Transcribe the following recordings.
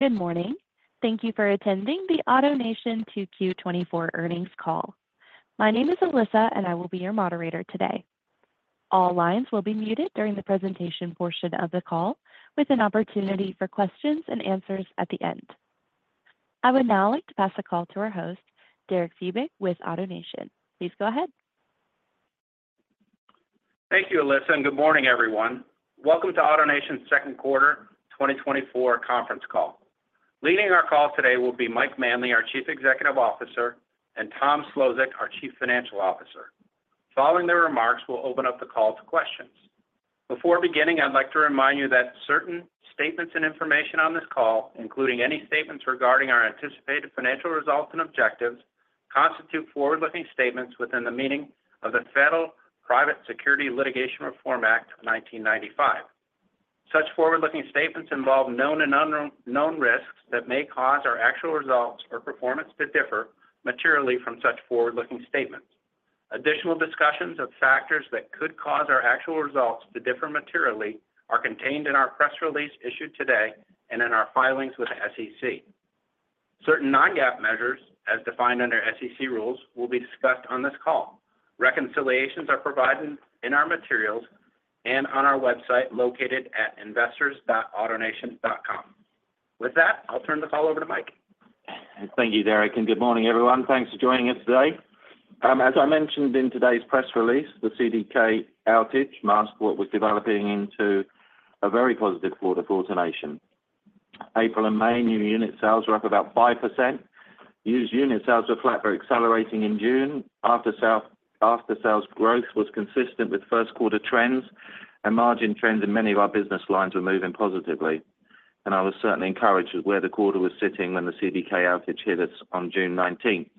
Good morning. Thank you for attending the AutoNation 2Q 2024 earnings call. My name is Alyssa, and I will be your moderator today. All lines will be muted during the presentation portion of the call, with an opportunity for questions and answers at the end. I would now like to pass the call to our host, Derek Fiebig, with AutoNation. Please go ahead. Thank you, Alyssa, and good morning, everyone. Welcome to AutoNation's second quarter 2024 conference call. Leading our call today will be Mike Manley, our Chief Executive Officer, and Tom Szlosek, our Chief Financial Officer. Following their remarks, we'll open up the call to questions. Before beginning, I'd like to remind you that certain statements and information on this call, including any statements regarding our anticipated financial results and objectives, constitute forward-looking statements within the meaning of the Private Securities Litigation Reform Act of 1995. Such forward-looking statements involve known and unknown risks that may cause our actual results or performance to differ materially from such forward-looking statements. Additional discussions of factors that could cause our actual results to differ materially are contained in our press release issued today and in our filings with the SEC. Certain non-GAAP measures, as defined under SEC rules, will be discussed on this call. Reconciliations are provided in our materials and on our website located at investors.autonation.com. With that, I'll turn the call over to Mike. Thank you, Derek, and good morning, everyone. Thanks for joining us today. As I mentioned in today's press release, the CDK outage masked what was developing into a very positive quarter for AutoNation. April and May, new unit sales were up about 5%. Used unit sales were flat but accelerating in June. After-sales growth was consistent with first quarter trends, and margin trends in many of our business lines were moving positively. I was certainly encouraged with where the quarter was sitting when the CDK outage hit us on June 19th.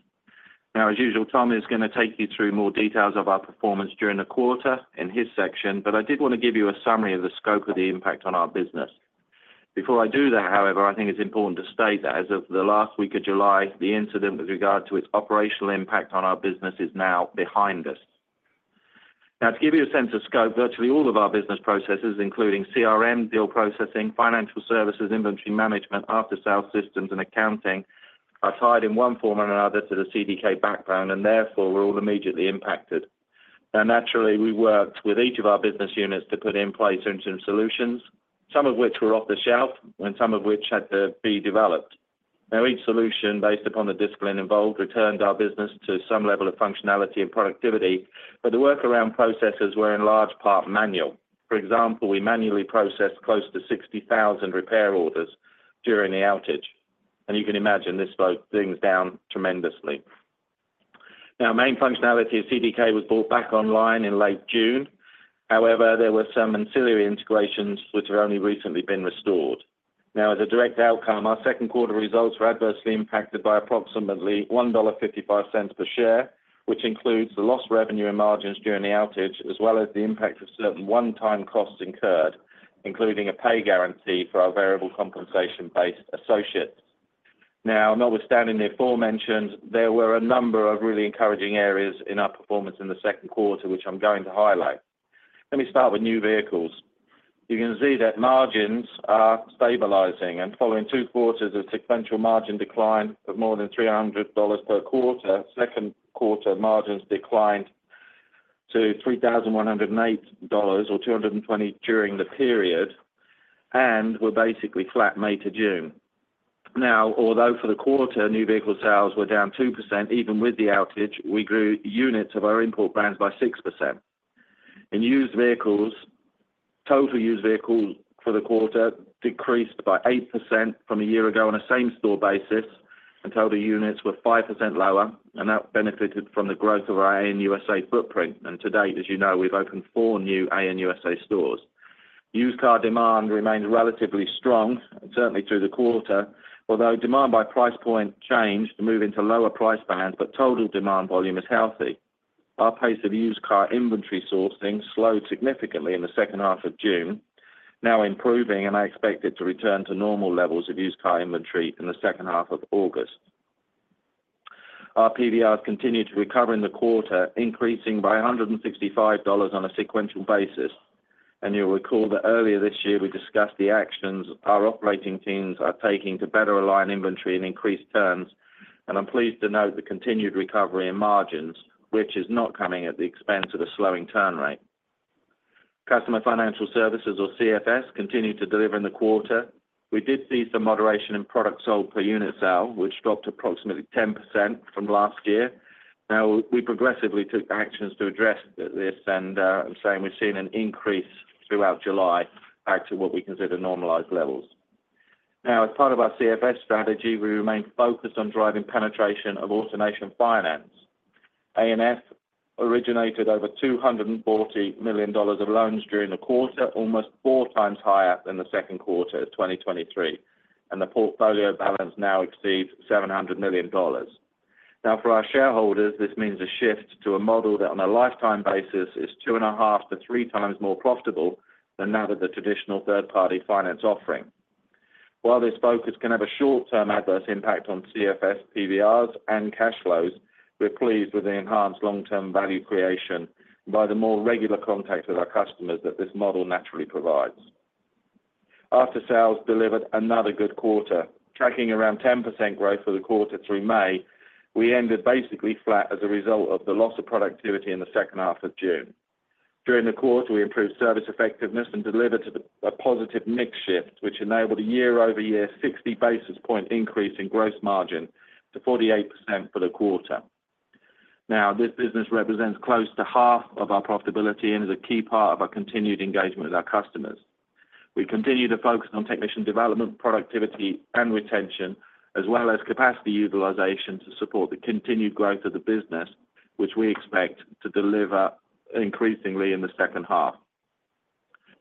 Now, as usual, Tom is going to take you through more details of our performance during the quarter in his section, but I did want to give you a summary of the scope of the impact on our business. Before I do that, however, I think it's important to state that as of the last week of July, the incident with regard to its operational impact on our business is now behind us. Now, to give you a sense of scope, virtually all of our business processes, including CRM, deal processing, financial services, inventory management, after-sale systems, and accounting, are tied in one form or another to the CDK backbone and therefore were all immediately impacted. Now, naturally, we worked with each of our business units to put in place interim solutions, some of which were off the shelf and some of which had to be developed. Now, each solution, based upon the discipline involved, returned our business to some level of functionality and productivity, but the workaround processes were in large part manual. For example, we manually processed close to 60,000 repair orders during the outage, and you can imagine this slowed things down tremendously. Now, main functionality of CDK was brought back online in late June. However, there were some ancillary integrations which have only recently been restored. Now, as a direct outcome, our second quarter results were adversely impacted by approximately $1.55 per share, which includes the lost revenue and margins during the outage, as well as the impact of certain one-time costs incurred, including a pay guarantee for our variable compensation-based associates. Now, notwithstanding the aforementioned, there were a number of really encouraging areas in our performance in the second quarter, which I'm going to highlight. Let me start with new vehicles. You can see that margins are stabilizing and following two quarters of sequential margin decline of more than $300 per quarter, second quarter margins declined to $3,108, or $220 during the period, and were basically flat May to June. Now, although for the quarter, new vehicle sales were down 2%, even with the outage, we grew units of our import brands by 6%. In used vehicles, total used vehicles for the quarter decreased by 8% from a year ago on a same-store basis, and total units were 5% lower, and that benefited from the growth of our AN USA footprint. And to date, as you know, we've opened four new AN USA stores. Used car demand remains relatively strong, certainly through the quarter, although demand by price point changed to move into lower price bands, but total demand volume is healthy. Our pace of used car inventory sourcing slowed significantly in the second half of June, now improving, and I expect it to return to normal levels of used car inventory in the second half of August. Our PVRs continued to recover in the quarter, increasing by $165 on a sequential basis. You'll recall that earlier this year, we discussed the actions our operating teams are taking to better align inventory and increase turns. I'm pleased to note the continued recovery in margins, which is not coming at the expense of a slowing turn rate. Customer Financial Services, or CFS, continued to deliver in the quarter. We did see some moderation in products sold per unit sale, which dropped approximately 10% from last year. Now, we progressively took actions to address this, and I'm saying we've seen an increase throughout July back to what we consider normalized levels. Now, as part of our CFS strategy, we remain focused on driving penetration of AutoNation Finance. ANF originated over $240 million of loans during the quarter, almost four times higher than the second quarter of 2023, and the portfolio balance now exceeds $700 million. Now, for our shareholders, this means a shift to a model that, on a lifetime basis, is 2.5x-3x more profitable than that of the traditional third-party finance offering. While this focus can have a short-term adverse impact on CFS PVRs and cash flows-... We're pleased with the enhanced long-term value creation by the more regular contact with our customers that this model naturally provides. After-sales delivered another good quarter, tracking around 10% growth for the quarter through May. We ended basically flat as a result of the loss of productivity in the second half of June. During the quarter, we improved service effectiveness and delivered a positive mix shift, which enabled a year-over-year 60 basis point increase in gross margin to 48% for the quarter. Now, this business represents close to half of our profitability and is a key part of our continued engagement with our customers. We continue to focus on technician development, productivity, and retention, as well as capacity utilization to support the continued growth of the business, which we expect to deliver increasingly in the second half.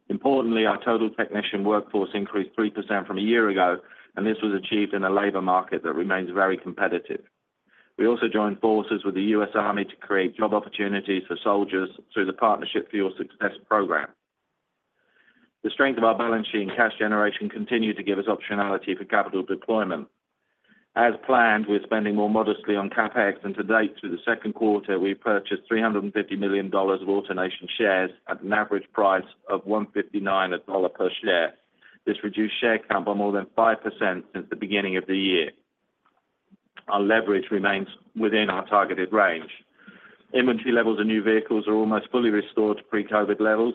Importantly, our total technician workforce increased 3% from a year ago, and this was achieved in a labor market that remains very competitive. We also joined forces with the U.S. Army to create job opportunities for soldiers through the Partnership for Your Success program. The strength of our balance sheet and cash generation continued to give us optionality for capital deployment. As planned, we're spending more modestly on CapEx, and to date, through the second quarter, we purchased $350 million of AutoNation shares at an average price of $159 per share. This reduced share count by more than 5% since the beginning of the year. Our leverage remains within our targeted range. Inventory levels of new vehicles are almost fully restored to pre-COVID levels,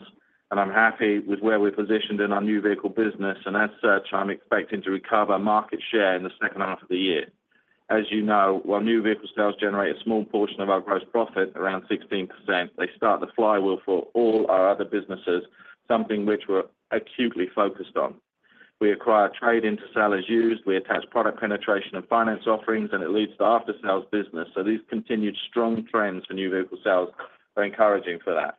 and I'm happy with where we're positioned in our new vehicle business, and as such, I'm expecting to recover market share in the second half of the year. As you know, while new vehicle sales generate a small portion of our gross profit, around 16%, they start the flywheel for all our other businesses, something which we're acutely focused on. We acquire trade-in to sell as used, we attach product penetration and finance offerings, and it leads to the after-sales business. So these continued strong trends for new vehicle sales are encouraging for that.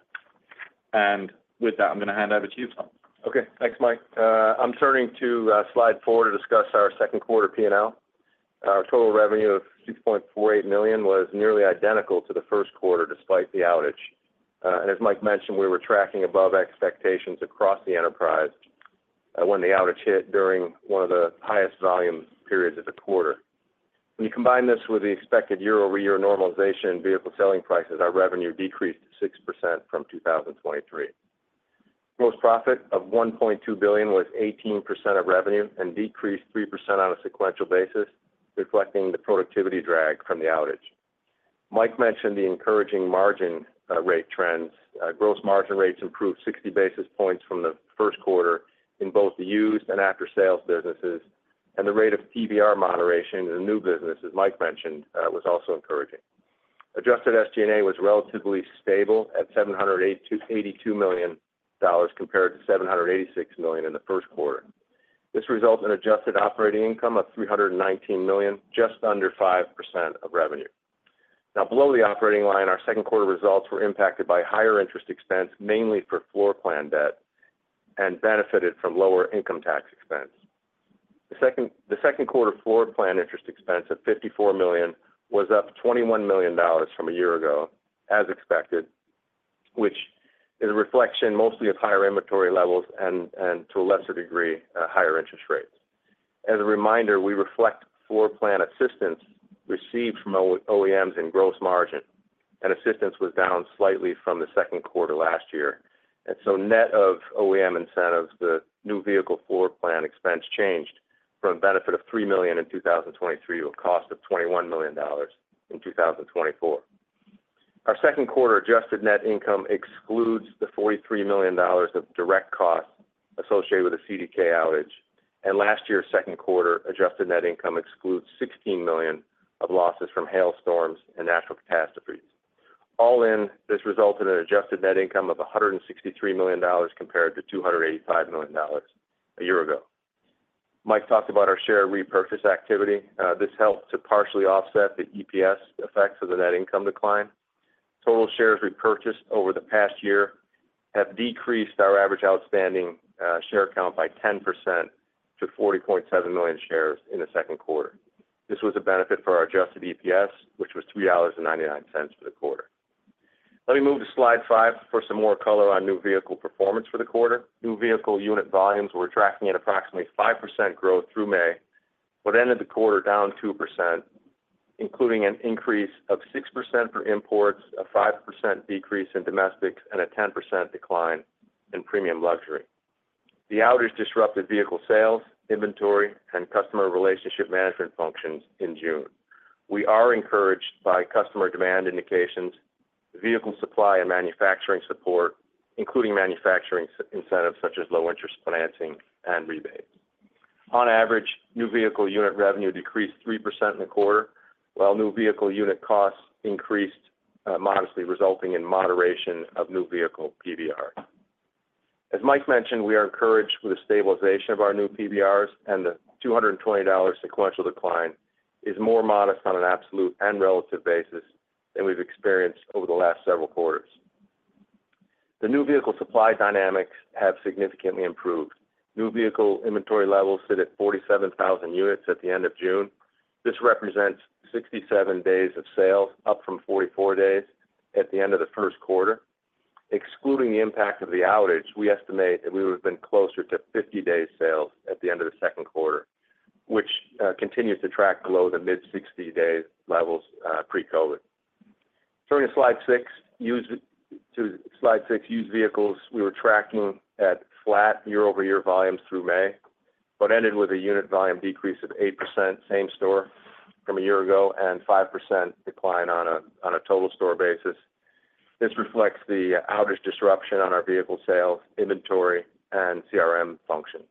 With that, I'm going to hand over to you, Tom. Okay, thanks, Mike. I'm turning to slide four to discuss our second quarter P&L. Our total revenue of $6.48 million was nearly identical to the first quarter, despite the outage. And as Mike mentioned, we were tracking above expectations across the enterprise when the outage hit during one of the highest volume periods of the quarter. When you combine this with the expected year-over-year normalization in vehicle selling prices, our revenue decreased 6% from 2023. Gross profit of $1.2 billion was 18% of revenue and decreased 3% on a sequential basis, reflecting the productivity drag from the outage. Mike mentioned the encouraging margin rate trends. Gross margin rates improved 60 basis points from the first quarter in both the used and aftersales businesses, and the rate of PVR moderation in the new business, as Mike mentioned, was also encouraging. Adjusted SG&A was relatively stable at $782 million, compared to $786 million in the first quarter. This results in adjusted operating income of $319 million, just under 5% of revenue. Now, below the operating line, our second quarter results were impacted by higher interest expense, mainly for floor plan debt, and benefited from lower income tax expense. The second quarter floor plan interest expense of $54 million was up $21 million from a year ago, as expected, which is a reflection mostly of higher inventory levels and to a lesser degree, higher interest rates. As a reminder, we reflect floor plan assistance received from OEMs in gross margin, and assistance was down slightly from the second quarter last year. So net of OEM incentives, the new vehicle floor plan expense changed from a benefit of $3 million in 2023 to a cost of $21 million in 2024. Our second quarter adjusted net income excludes the $43 million of direct costs associated with the CDK outage, and last year's second quarter adjusted net income excludes $16 million of losses from hailstorms and natural catastrophes. All in, this resulted in an adjusted net income of $163 million compared to $285 million a year ago. Mike talked about our share repurchase activity. This helped to partially offset the EPS effects of the net income decline. Total shares repurchased over the past year have decreased our average outstanding share count by 10% to 40.7 million shares in the second quarter. This was a benefit for our adjusted EPS, which was $3.99 for the quarter. Let me move to slide five for some more color on new vehicle performance for the quarter. New vehicle unit volumes were tracking at approximately 5% growth through May, but ended the quarter down 2%, including an increase of 6% for imports, a 5% decrease in domestics, and a 10% decline in premium luxury. The outage disrupted vehicle sales, inventory, and customer relationship management functions in June. We are encouraged by customer demand indications, vehicle supply, and manufacturing support, including manufacturing incentives such as low-interest financing and rebates. On average, new vehicle unit revenue decreased 3% in the quarter, while new vehicle unit costs increased modestly, resulting in moderation of new vehicle PVR. As Mike mentioned, we are encouraged with the stabilization of our new PVRs and the $220 sequential decline is more modest on an absolute and relative basis than we've experienced over the last several quarters. The new vehicle supply dynamics have significantly improved. New vehicle inventory levels sit at 47,000 units at the end of June. This represents 67 days of sales, up from 44 days at the end of the first quarter... excluding the impact of the outage, we estimate that we would have been closer to 50 days sales at the end of the second quarter, which continues to track below the mid-60-day levels pre-COVID. Turning to slide six, used vehicles. We were tracking at flat year-over-year volumes through May, but ended with a unit volume decrease of 8% same store from a year ago, and 5% decline on a total store basis. This reflects the outage disruption on our vehicle sales, inventory, and CRM functions.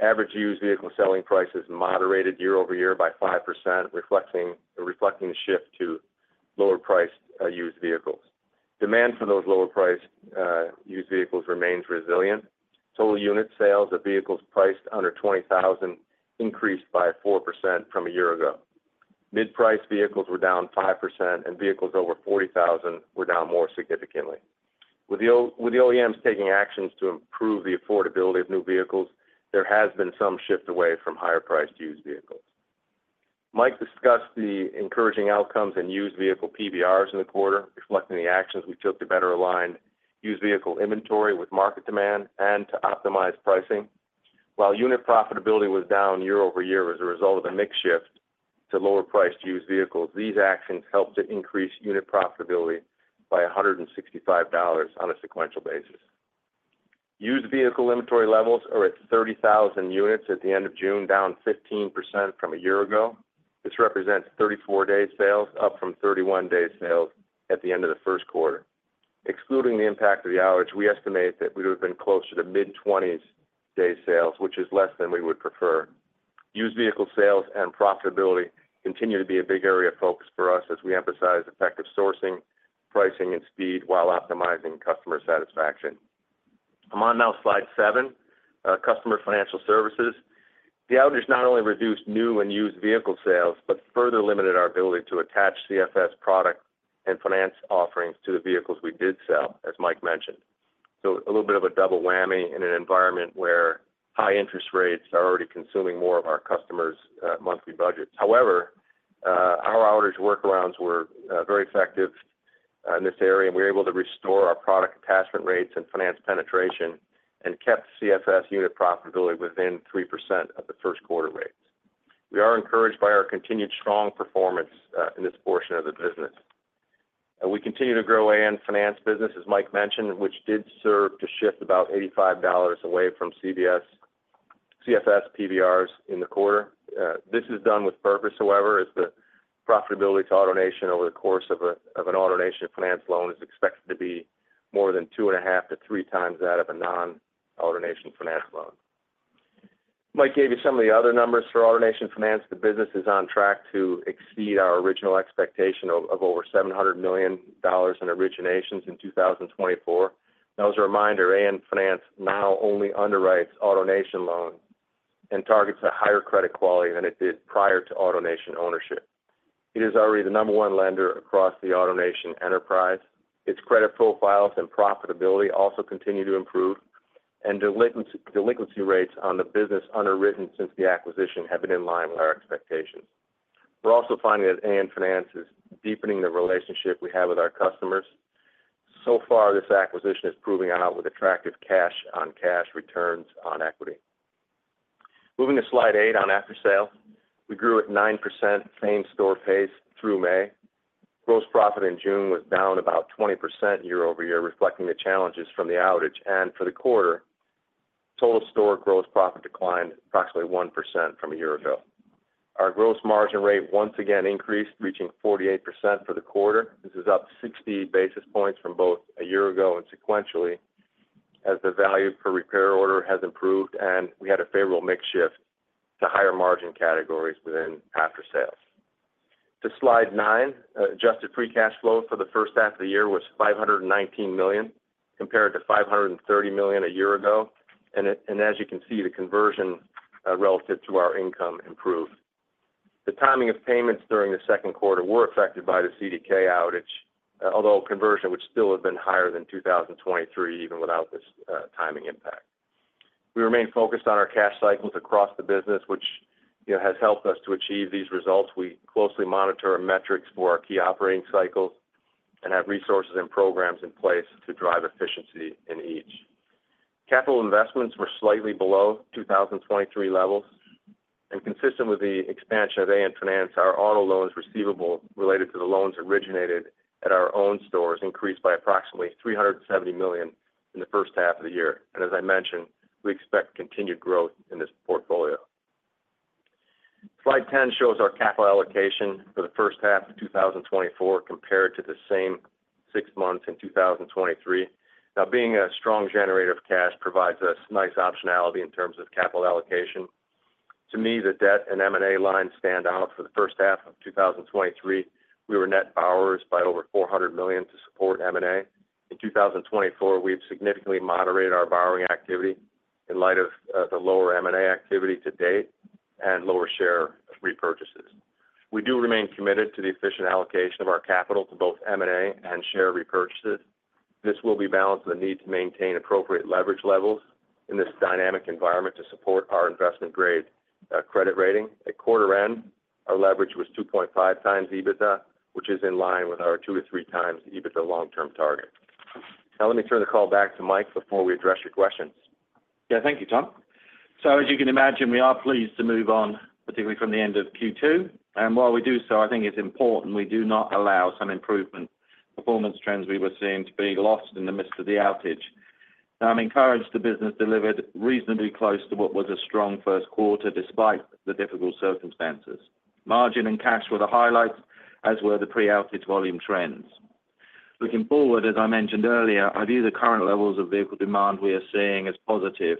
Average used vehicle selling prices moderated year-over-year by 5%, reflecting the shift to lower priced used vehicles. Demand for those lower priced used vehicles remains resilient. Total unit sales of vehicles priced under $20,000 increased by 4% from a year ago. Mid-priced vehicles were down 5%, and vehicles over $40,000 were down more significantly. With the OEMs taking actions to improve the affordability of new vehicles, there has been some shift away from higher priced used vehicles. Mike discussed the encouraging outcomes in used vehicle PVRs in the quarter, reflecting the actions we took to better align used vehicle inventory with market demand and to optimize pricing. While unit profitability was down year-over-year as a result of a mix shift to lower-priced used vehicles, these actions helped to increase unit profitability by $165 on a sequential basis. Used vehicle inventory levels are at 30,000 units at the end of June, down 15% from a year ago. This represents 34 day sales, up from 31 day sales at the end of the first quarter. Excluding the impact of the outage, we estimate that we would have been closer to mid-20s day sales, which is less than we would prefer. Used vehicle sales and profitability continue to be a big area of focus for us as we emphasize effective sourcing, pricing, and speed, while optimizing customer satisfaction. I'm on now slide seven, Customer Financial Services. The outage not only reduced new and used vehicle sales, but further limited our ability to attach CFS product and finance offerings to the vehicles we did sell, as Mike mentioned. So a little bit of a double whammy in an environment where high interest rates are already consuming more of our customers, monthly budgets. However, our outage workarounds were, very effective, in this area, and we were able to restore our product attachment rates and finance penetration and kept CFS unit profitability within 3% of the first quarter rates. We are encouraged by our continued strong performance, in this portion of the business. We continue to grow AN Finance business, as Mike mentioned, which did serve to shift about $85 away from CFS PVRs in the quarter. This is done with purpose, however, as the profitability to AutoNation over the course of a, of an AutoNation Finance loan is expected to be more than 2.5x-3x that of a non-AutoNation Finance loan. Mike gave you some of the other numbers for AutoNation Finance. The business is on track to exceed our original expectation of, of over $700 million in originations in 2024. Now, as a reminder, AN Finance now only underwrites AutoNation loans and targets a higher credit quality than it did prior to AutoNation ownership. It is already the number one lender across the AutoNation enterprise. Its credit profiles and profitability also continue to improve, and delinquency, delinquency rates on the business underwritten since the acquisition have been in line with our expectations. We're also finding that AN Finance is deepening the relationship we have with our customers. So far, this acquisition is proving out with attractive cash-on-cash returns on equity. Moving to slide eight on aftersales. We grew at 9% same-store pace through May. Gross profit in June was down about 20% year-over-year, reflecting the challenges from the outage, and for the quarter, total store gross profit declined approximately 1% from a year ago. Our gross margin rate once again increased, reaching 48% for the quarter. This is up 60 basis points from both a year ago and sequentially, as the value per repair order has improved, and we had a favorable mix shift to higher margin categories within after sales. To slide nine, adjusted free cash flow for the first half of the year was $519 million, compared to $530 million a year ago. And as you can see, the conversion relative to our income improved. The timing of payments during the second quarter were affected by the CDK outage, although conversion would still have been higher than 2023, even without this timing impact. We remain focused on our cash cycles across the business, which, you know, has helped us to achieve these results. We closely monitor our metrics for our key operating cycles and have resources and programs in place to drive efficiency in each. Capital investments were slightly below 2023 levels, and consistent with the expansion of AN Finance, our auto loans receivable related to the loans originated at our own stores increased by approximately $370 million in the first half of the year. And as I mentioned, we expect continued growth in this portfolio. Slide 10 shows our capital allocation for the first half of 2024, compared to the same six months in 2023. Now, being a strong generator of cash provides us nice optionality in terms of capital allocation. To me, the debt and M&A lines stand out for the first half of 2023. We were net borrowers by over $400 million to support M&A. In 2024, we've significantly moderated our borrowing activity in light of the lower M&A activity to date and lower share repurchases. We do remain committed to the efficient allocation of our capital to both M&A and share repurchases. This will be balanced with the need to maintain appropriate leverage levels in this dynamic environment to support our investment grade credit rating. At quarter end, our leverage was 2.5x EBITDA, which is in line with our 2x-3x EBITDA long-term target. Now, let me turn the call back to Mike before we address your questions. Yeah, thank you, Tom. As you can imagine, we are pleased to move on, particularly from the end of Q2. While we do so, I think it's important we do not allow some improvement performance trends we were seeing to be lost in the midst of the outage. Now, I'm encouraged the business delivered reasonably close to what was a strong first quarter, despite the difficult circumstances. Margin and cash were the highlights, as were the pre-outage volume trends. Looking forward, as I mentioned earlier, I view the current levels of vehicle demand we are seeing as positive.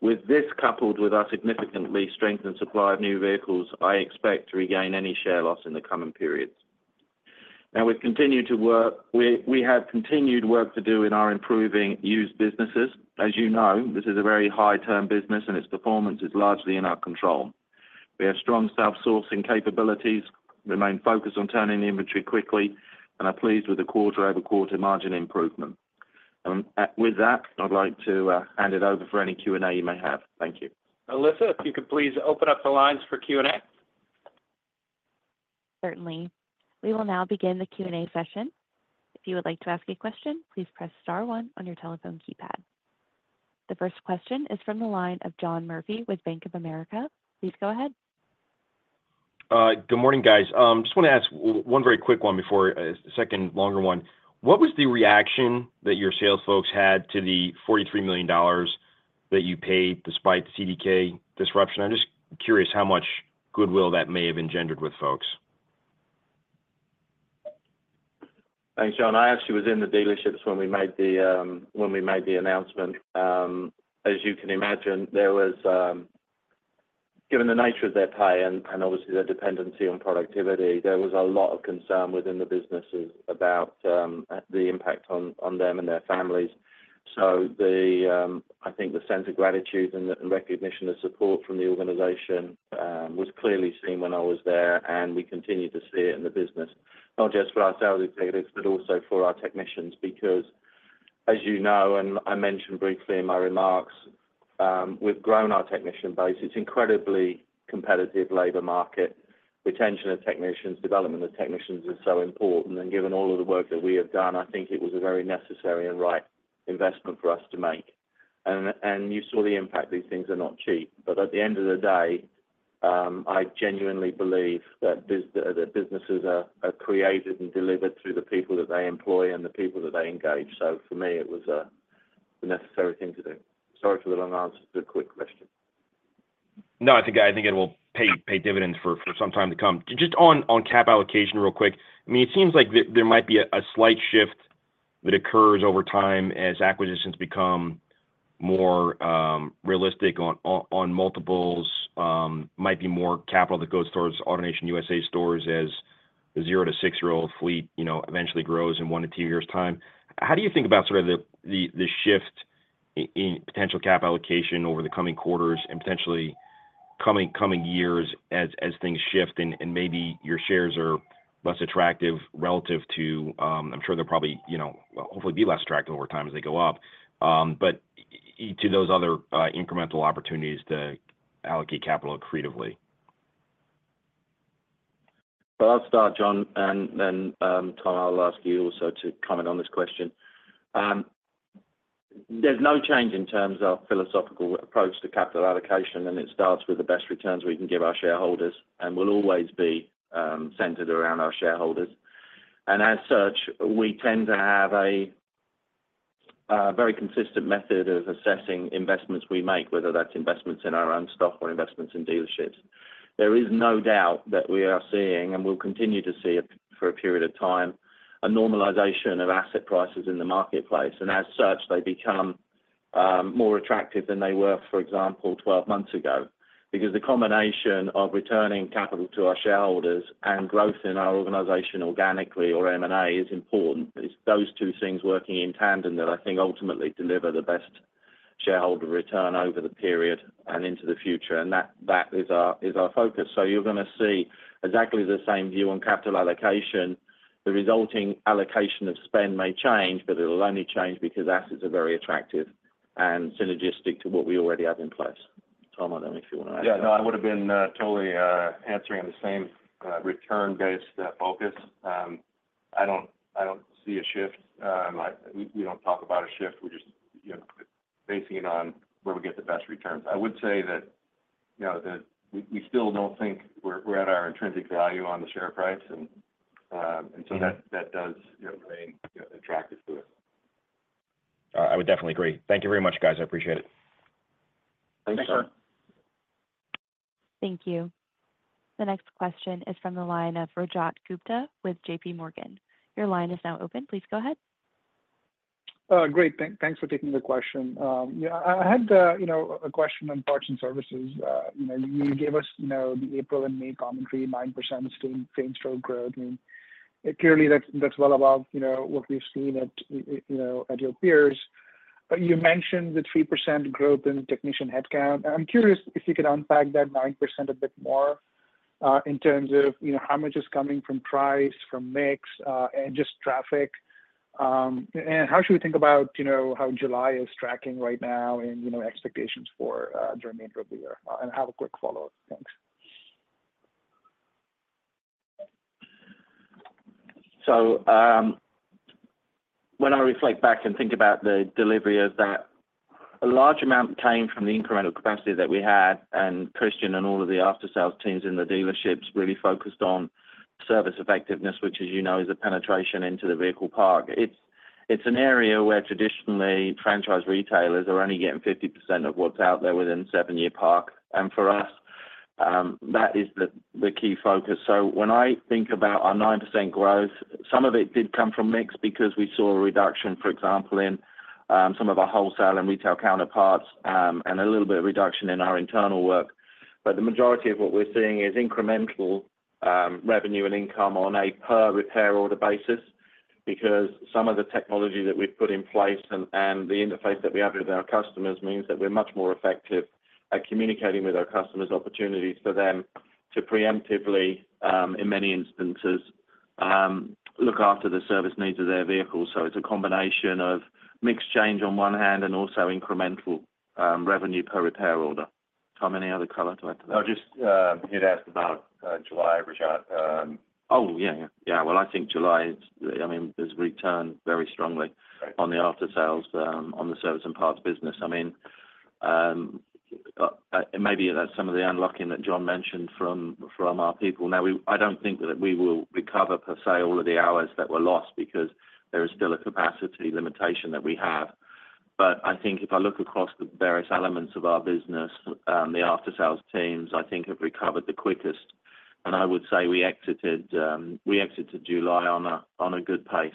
With this, coupled with our significantly strengthened supply of new vehicles, I expect to regain any share loss in the coming periods. Now, we have continued work to do in our improving used businesses. As you know, this is a very high-turn business, and its performance is largely in our control. We have strong self-sourcing capabilities, remain focused on turning the inventory quickly, and are pleased with the quarter-over-quarter margin improvement. With that, I'd like to hand it over for any Q&A you may have. Thank you. Alyssa, if you could please open up the lines for Q&A. Certainly. We will now begin the Q&A session. If you would like to ask a question, please press star one on your telephone keypad. The first question is from the line of John Murphy with Bank of America. Please go ahead. Good morning, guys. Just want to ask one very quick one before a second longer one. What was the reaction that your sales folks had to the $43 million that you paid despite the CDK disruption? I'm just curious how much goodwill that may have engendered with folks. Thanks, John. I actually was in the dealerships when we made the announcement. As you can imagine, there was... Given the nature of their pay and obviously their dependency on productivity, there was a lot of concern within the businesses about the impact on them and their families. So, I think the sense of gratitude and the recognition and support from the organization was clearly seen when I was there, and we continue to see it in the business, not just for our sales executives, but also for our technicians. Because, as you know, and I mentioned briefly in my remarks, we've grown our technician base. It's incredibly competitive labor market. Retention of technicians, development of technicians is so important, and given all of the work that we have done, I think it was a very necessary and right investment for us to make. And you saw the impact. These things are not cheap. But at the end of the day, I genuinely believe that the businesses are created and delivered through the people that they employ and the people that they engage. So for me, it was the necessary thing to do. Sorry for the long answer to a quick question. No, I think it will pay dividends for some time to come. Just on cap allocation real quick. I mean, it seems like there might be a slight shift that occurs over time as acquisitions become more realistic on multiples. Might be more capital that goes towards AutoNation USA stores as the zero to six-year-old fleet, you know, eventually grows in one to two years' time. How do you think about sort of the shift in potential cap allocation over the coming quarters and potentially coming years as things shift and maybe your shares are less attractive relative to, I'm sure they're probably, you know, hopefully be less attractive over time as they go up, but to those other incremental opportunities to allocate capital creatively? Well, I'll start, John, and then, Tom, I'll ask you also to comment on this question. There's no change in terms of philosophical approach to capital allocation, and it starts with the best returns we can give our shareholders and will always be centered around our shareholders. And as such, we tend to have a very consistent method of assessing investments we make, whether that's investments in our own stock or investments in dealerships. There is no doubt that we are seeing, and will continue to see it for a period of time, a normalization of asset prices in the marketplace, and as such, they become more attractive than they were, for example, 12 months ago. Because the combination of returning capital to our shareholders and growth in our organization organically or M&A is important. It's those two things working in tandem that I think ultimately deliver the best shareholder return over the period and into the future, and that is our focus. So you're going to see exactly the same view on capital allocation. The resulting allocation of spend may change, but it'll only change because assets are very attractive and synergistic to what we already have in place. Tom, I don't know if you want to add. Yeah, no, I would have been totally answering on the same return-based focus. I don't, I don't see a shift. We, we don't talk about a shift. We're just, you know, basing it on where we get the best returns. I would say that, you know, that we, we still don't think we're, we're at our intrinsic value on the share price, and, and so that- Mm. that does remain, you know, attractive to us. I would definitely agree. Thank you very much, guys. I appreciate it. Thanks, sir. Thank you. The next question is from the line of Rajat Gupta with JPMorgan. Your line is now open. Please go ahead. Great. Thanks for taking the question. Yeah, I had, you know, a question on parts and services. You know, you gave us, you know, the April and May commentary, 9% same-store growth, and clearly, that's well above, you know, what we've seen at, you know, at your peers. But you mentioned the 3% growth in the technician headcount. I'm curious if you could unpack that 9% a bit more, in terms of, you know, how much is coming from price, from mix, and just traffic? And how should we think about, you know, how July is tracking right now and, you know, expectations for during the end of the year? And I have a quick follow-up. Thanks. So, when I reflect back and think about the delivery of that, a large amount came from the incremental capacity that we had, and Christian and all of the after-sales teams in the dealerships really focused on service effectiveness, which, as you know, is a penetration into the vehicle park. It's, it's an area where traditionally, franchise retailers are only getting 50% of what's out there within seven-year park, and for us, that is the, the key focus. So when I think about our 9% growth, some of it did come from mix because we saw a reduction, for example, in some of our wholesale and retail counterparts, and a little bit of reduction in our internal work. But the majority of what we're seeing is incremental revenue and income on a per repair order basis, because some of the technology that we've put in place and the interface that we have with our customers means that we're much more effective at communicating with our customers opportunities for them to preemptively, in many instances, look after the service needs of their vehicles. So it's a combination of mix change on one hand and also incremental revenue per repair order. Tom, any other color to add to that? No, just, you'd asked about July, Rajat- Oh, yeah, yeah. Yeah, well, I think July, I mean, has returned very strongly- Right... on the after-sales, on the service and parts business. I mean, it may be that some of the unlocking that John mentioned from, from our people. Now, we—I don't think that we will recover, per se, all of the hours that were lost because there is still a capacity limitation that we have. But I think if I look across the various elements of our business, the after-sales teams, I think, have recovered the quickest. And I would say we exited, we exited July on a, on a good pace.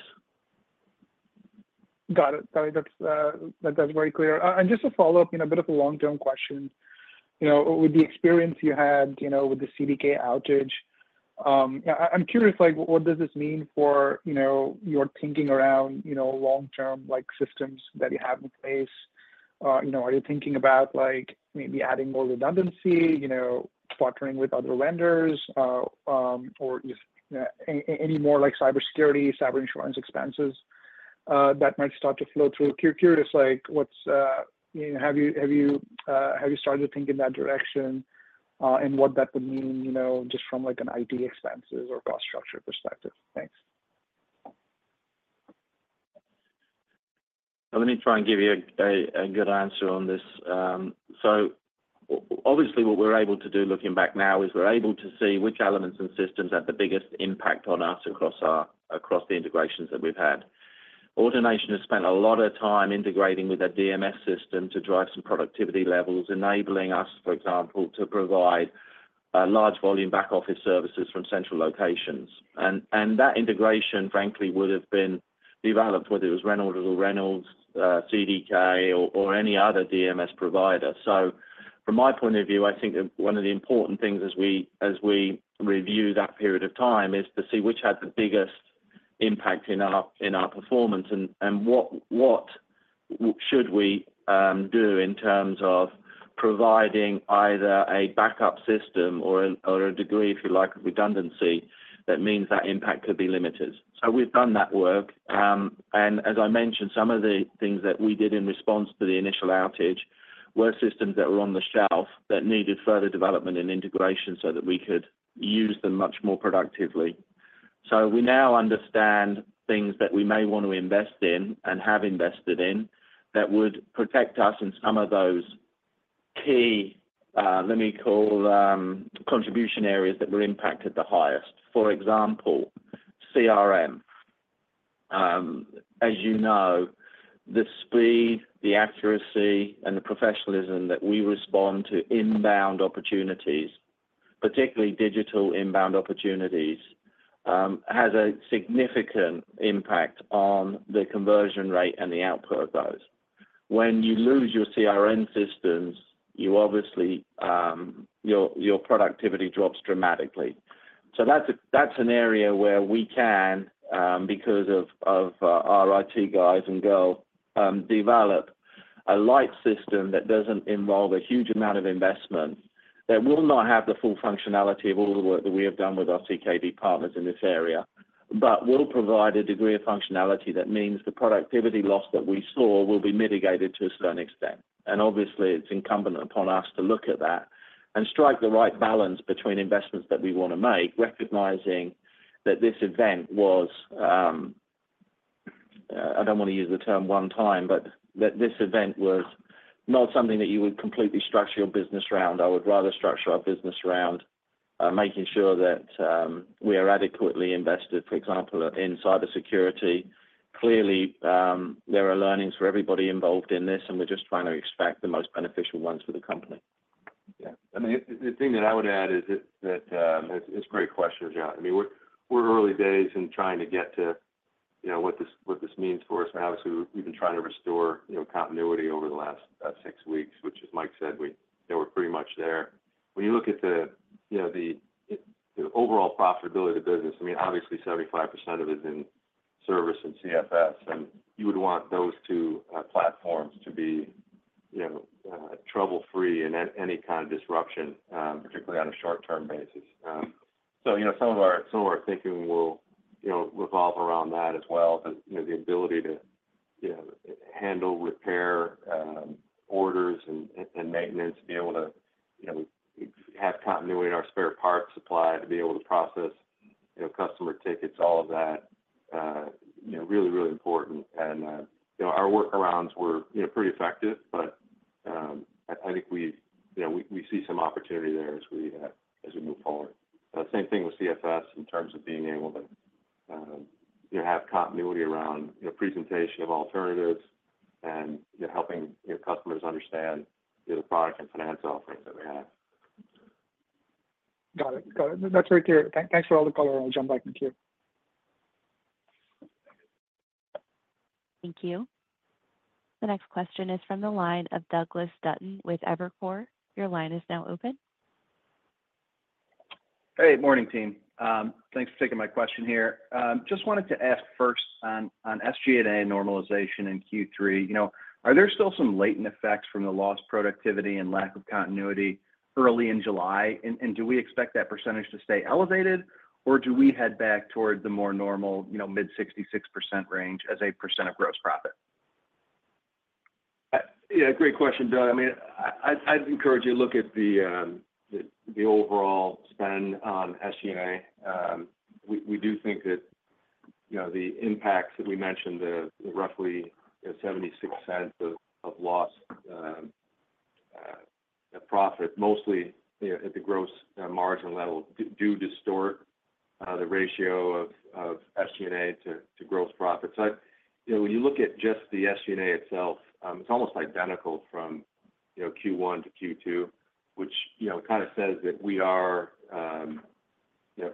Got it. Got it. That's, that's very clear. And just a follow-up, you know, a bit of a long-term question. You know, with the experience you had, you know, with the CDK outage, I, I'm curious, like, what does this mean for, you know, your thinking around, you know, long-term, like, systems that you have in place? You know, are you thinking about, like, maybe adding more redundancy, you know, partnering with other lenders, or if any more, like, cybersecurity, cyber insurance expenses, that might start to flow through? Curious, like, what's... Have you started to think in that direction, and what that would mean, you know, just from, like, an IT expenses or cost structure perspective? Thanks. Let me try and give you a good answer on this. So obviously, what we're able to do, looking back now, is we're able to see which elements and systems had the biggest impact on us across the integrations that we've had. AutoNation has spent a lot of time integrating with our DMS system to drive some productivity levels, enabling us, for example, to provide a large volume back office services from central locations. And that integration, frankly, would have been developed, whether it was Reynolds and Reynolds, CDK or any other DMS provider. So from my point of view, I think that one of the important things as we review that period of time is to see which had the biggest impact in our performance, and what should we do in terms of providing either a backup system or a degree, if you like, of redundancy, that means that impact could be limited. So we've done that work. And as I mentioned, some of the things that we did in response to the initial outage were systems that were on the shelf that needed further development and integration so that we could use them much more productively. So we now understand things that we may want to invest in and have invested in that would protect us in some of those key, let me call, contribution areas that were impacted the highest. For example, CRM. As you know, the speed, the accuracy and the professionalism that we respond to inbound opportunities, particularly digital inbound opportunities, has a significant impact on the conversion rate and the output of those. When you lose your CRM systems, you obviously, your productivity drops dramatically. So that's an area where we can, because of our IT guys and girls, develop a light system that doesn't involve a huge amount of investment, that will not have the full functionality of all the work that we have done with our CDK partners in this area, but will provide a degree of functionality that means the productivity loss that we saw will be mitigated to a certain extent. And obviously, it's incumbent upon us to look at that and strike the right balance between investments that we want to make, recognizing that this event was. I don't want to use the term one time, but that this event was not something that you would completely structure your business around. I would rather structure our business around making sure that we are adequately invested, for example, in cybersecurity. Clearly, there are learnings for everybody involved in this, and we're just trying to extract the most beneficial ones for the company. Yeah. I mean, the thing that I would add is that. It's a great question, Rajat. I mean, we're early days in trying to get to, you know, what this means for us. And obviously, we've been trying to restore, you know, continuity over the last about six weeks, which, as Mike said, we—they were pretty much there. When you look at the, you know, the overall profitability of the business, I mean, obviously, 75% of it is in service and CFS, and you would want those two platforms to be, you know, trouble-free and any kind of disruption, particularly on a short-term basis. So, you know, some of our thinking will, you know, revolve around that as well. But, you know, the ability to, you know, handle repair orders and maintenance, be able to, you know, have continuity in our spare parts supply, to be able to process, you know, customer tickets, all of that, you know, really, really important. And, you know, our workarounds were, you know, pretty effective, but, I think we, you know, we see some opportunity there as we, as we move forward. Same thing with CFS, in terms of being able to, you know, have continuity around, you know, presentation of alternatives and, you know, helping your customers understand the product and finance offerings that we have. Got it. Got it. That's very clear. Thanks for all the color. I'll jump back in the queue. Thank you. The next question is from the line of Douglas Dutton with Evercore. Your line is now open. Hey, morning, team. Thanks for taking my question here. Just wanted to ask first on SG&A normalization in Q3. You know, are there still some latent effects from the lost productivity and lack of continuity early in July? And do we expect that percentage to stay elevated, or do we head back toward the more normal, you know, mid-66% range as a percent of gross profit? Yeah, great question, Doug. I mean, I'd encourage you to look at the overall spend on SG&A. We do think that, you know, the impacts that we mentioned, the roughly $0.76 of lost profit, mostly, you know, at the gross margin level, do distort the ratio of SG&A to gross profit. So, you know, when you look at just the SG&A itself, it's almost identical from, you know, Q1 to Q2, which, you know, kind of says that we are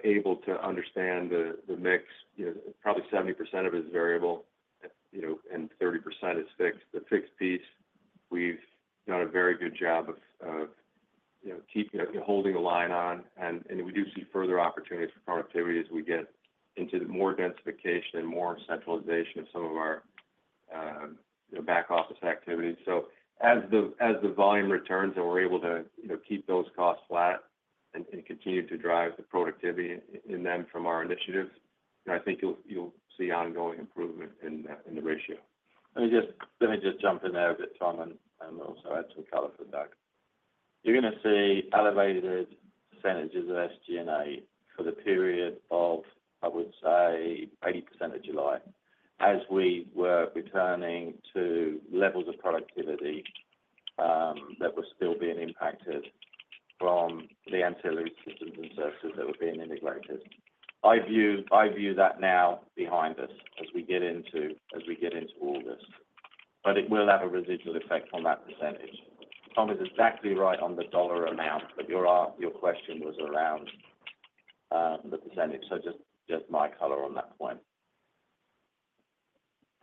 able to understand the mix. You know, probably 70% of it is variable, you know, and 30% is fixed. The fixed piece, we've done a very good job of, you know, holding the line on, and we do see further opportunities for productivity as we get into more densification and more centralization of some of our, you know, back office activities. So as the volume returns and we're able to, you know, keep those costs flat and continue to drive the productivity in them from our initiatives, I think you'll see ongoing improvement in the ratio. Let me just, let me just jump in there a bit, Tom, and, and also add some color for Doug. You're gonna see elevated percentages of SG&A for the period of, I would say, 80% of July, as we were returning to levels of productivity, that were still being impacted from the AutoLoop systems and services that were being integrated. I view, I view that now behind us as we get into, as we get into all this, but it will have a residual effect on that percentage. Tom is exactly right on the dollar amount, but your ask, your question was around, the percentage, so just, just my color on that point.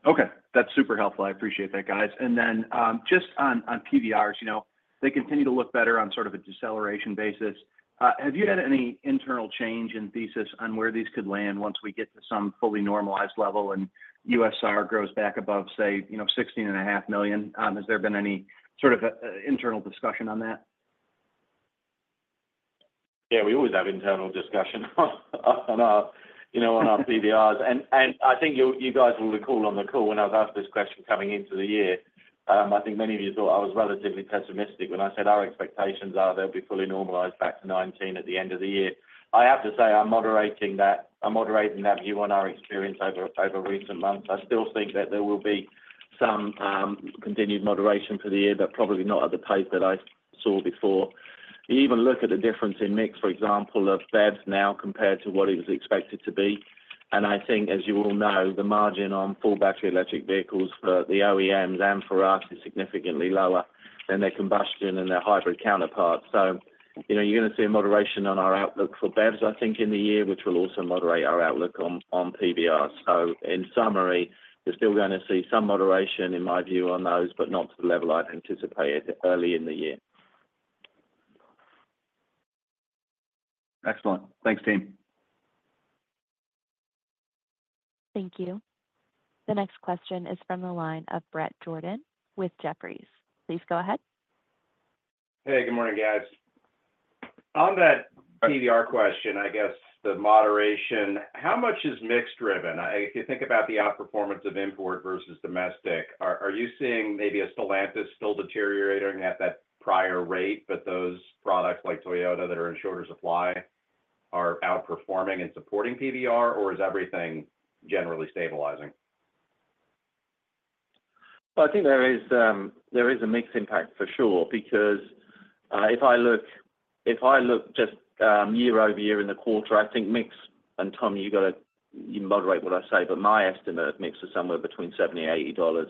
Okay. That's super helpful. I appreciate that, guys. And then, just on PVRs, you know, they continue to look better on sort of a deceleration basis. Have you had any internal change in thesis on where these could land once we get to some fully normalized level and USR grows back above, say, you know, 16.5 million? Has there been any sort of internal discussion on that? Yeah, we always have internal discussion on our, you know, on our PVRs. And I think you'll—you guys will recall on the call when I was asked this question coming into the year. I think many of you thought I was relatively pessimistic when I said our expectations are they'll be fully normalized back to 19 at the end of the year. I have to say, I'm moderating that... I'm moderating that view on our experience over recent months. I still think that there will be some continued moderation for the year, but probably not at the pace that I saw before. You even look at the difference in mix, for example, of BEVs now, compared to what it was expected to be. And I think, as you all know, the margin on full battery electric vehicles for the OEMs and for us is significantly lower than their combustion and their hybrid counterparts. So, you know, you're gonna see a moderation on our outlook for BEVs, I think, in the year, which will also moderate our outlook on PVR. So in summary, you're still gonna see some moderation, in my view, on those, but not to the level I'd anticipated early in the year. Excellent. Thanks, team. Thank you. The next question is from the line of Bret Jordan with Jefferies. Please go ahead. Hey, good morning, guys. On that PVR question, I guess the moderation, how much is mix driven? If you think about the outperformance of import versus domestic, are you seeing maybe a Stellantis still deteriorating at that prior rate, but those products, like Toyota, that are in shorter supply, are outperforming and supporting PVR, or is everything generally stabilizing? Well, I think there is a mix impact, for sure, because if I look just year over year in the quarter, I think mix, and Tom, you got to... You moderate what I say, but my estimate of mix is somewhere between $70 and $80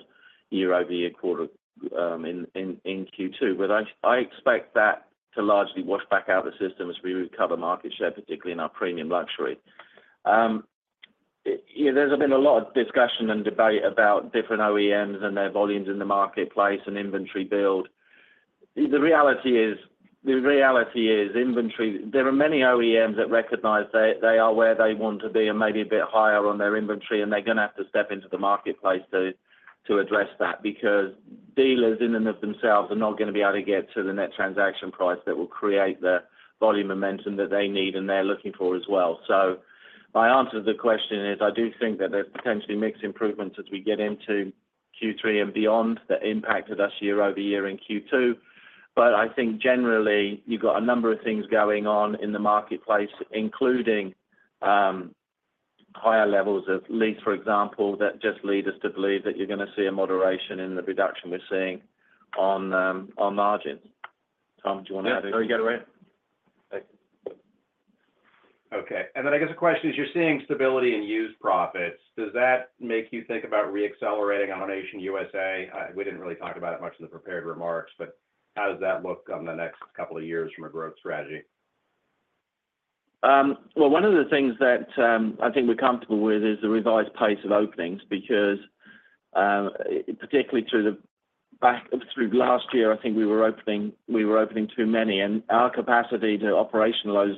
year-over-year quarter in Q2. But I expect that to largely wash back out the system as we recover market share, particularly in our premium luxury. Yeah, there's been a lot of discussion and debate about different OEMs and their volumes in the marketplace and inventory build. The reality is inventory. There are many OEMs that recognize they are where they want to be and maybe a bit higher on their inventory, and they're gonna have to step into the marketplace to address that. Because dealers in and of themselves are not gonna be able to get to the net transaction price that will create the volume momentum that they need and they're looking for as well. So my answer to the question is, I do think that there's potentially mixed improvements as we get into Q3 and beyond that impacted us year-over-year in Q2. But I think generally, you've got a number of things going on in the marketplace, including higher levels of lease, for example, that just lead us to believe that you're gonna see a moderation in the reduction we're seeing on, on margins. Tom, do you wanna add? Yeah, you got it, right. Okay. Then I guess the question is, you're seeing stability in used profits. Does that make you think about reaccelerating AutoNation USA? We didn't really talk about it much in the prepared remarks, but how does that look on the next couple of years from a growth strategy? Well, one of the things that I think we're comfortable with is the revised pace of openings, because particularly through last year, I think we were opening too many. And our capacity to operationalize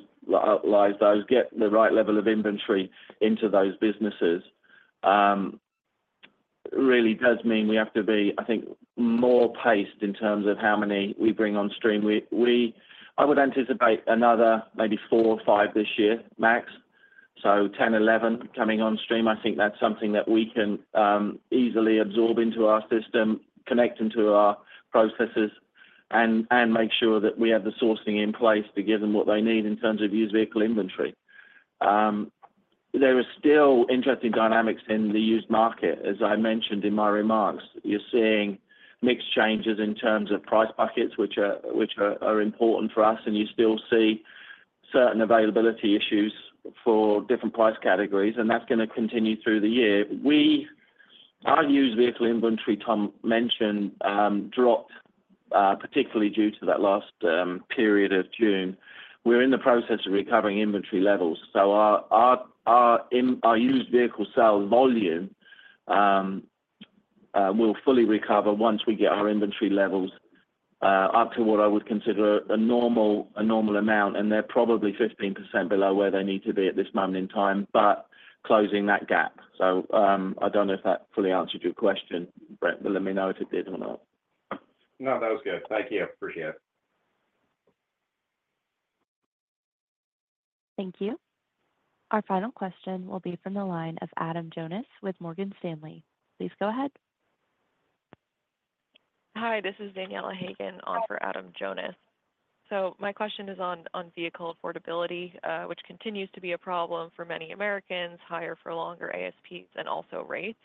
those, get the right level of inventory into those businesses, really does mean we have to be, I think, more paced in terms of how many we bring on stream. I would anticipate another maybe four or five this year, max. So 10, 11 coming on stream, I think that's something that we can easily absorb into our system, connect into our processes, and make sure that we have the sourcing in place to give them what they need in terms of used vehicle inventory. There are still interesting dynamics in the used market as I mentioned in my remarks. You're seeing mixed changes in terms of price buckets, which are important for us, and you still see certain availability issues for different price categories, and that's gonna continue through the year. Our used vehicle inventory, Tom mentioned, dropped particularly due to that last period of June. We're in the process of recovering inventory levels, so our used vehicle sales volume will fully recover once we get our inventory levels up to what I would consider a normal amount, and they're probably 15% below where they need to be at this moment in time, but closing that gap. I don't know if that fully answered your question, Bret, but let me know if it did or not. No, that was good. Thank you. Appreciate it. Thank you. Our final question will be from the line of Adam Jonas with Morgan Stanley. Please go ahead. Hi, this is Daniela Haigian on for Adam Jonas. So my question is on vehicle affordability, which continues to be a problem for many Americans, higher for longer ASPs and also rates.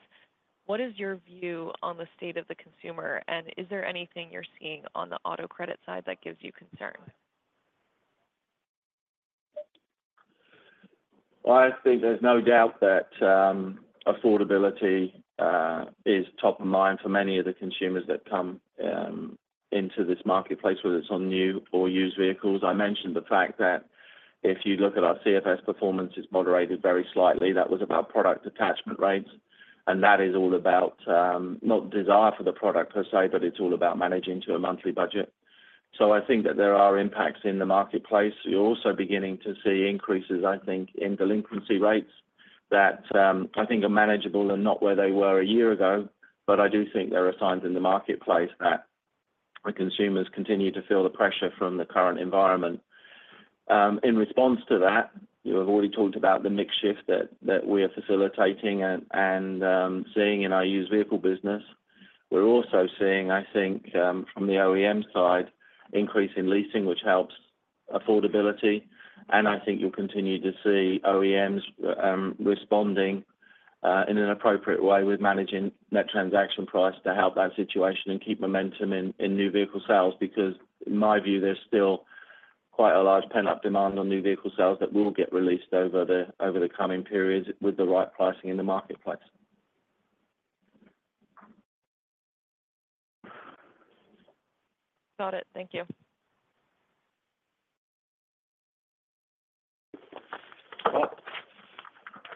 What is your view on the state of the consumer, and is there anything you're seeing on the auto credit side that gives you concern? Well, I think there's no doubt that, affordability, is top of mind for many of the consumers that come into this marketplace, whether it's on new or used vehicles. I mentioned the fact that if you look at our CFS performance, it's moderated very slightly. That was about product attachment rates, and that is all about, not desire for the product per se, but it's all about managing to a monthly budget. So I think that there are impacts in the marketplace. You're also beginning to see increases, I think, in delinquency rates that, I think are manageable and not where they were a year ago. But I do think there are signs in the marketplace that the consumers continue to feel the pressure from the current environment. In response to that, you have already talked about the mix shift that we are facilitating and seeing in our used vehicle business. We're also seeing, I think, from the OEM side, increase in leasing, which helps affordability, and I think you'll continue to see OEMs responding in an appropriate way with managing net transaction price to help that situation and keep momentum in new vehicle sales, because in my view, there's still quite a large pent-up demand on new vehicle sales that will get released over the coming periods with the right pricing in the marketplace. Got it. Thank you.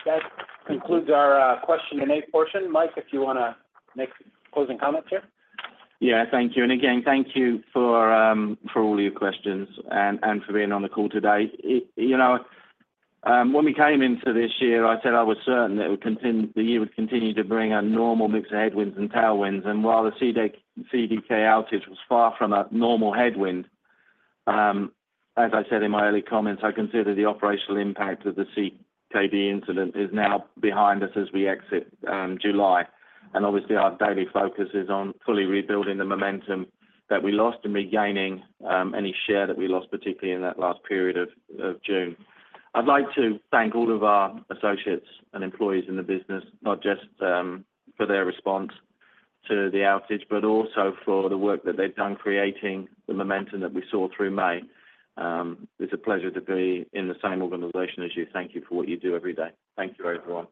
Well, that concludes our Q&A portion. Mike, if you wanna make closing comments here? Yeah. Thank you. And again, thank you for for all your questions and, and for being on the call today. You know, when we came into this year, I said I was certain that it would continue, the year would continue to bring a normal mix of headwinds and tailwinds. And while the CDK, CDK outage was far from a normal headwind, as I said in my early comments, I consider the operational impact of the CDK incident is now behind us as we exit, July. And obviously, our daily focus is on fully rebuilding the momentum that we lost and regaining, any share that we lost, particularly in that last period of, of June. I'd like to thank all of our associates and employees in the business, not just for their response to the outage, but also for the work that they've done creating the momentum that we saw through May. It's a pleasure to be in the same organization as you. Thank you for what you do every day. Thank you, everyone.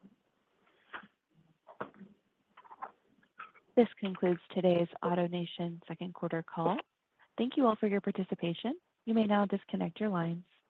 This concludes today's AutoNation second quarter call. Thank you all for your participation. You may now disconnect your lines.